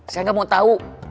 saya gak mau tahu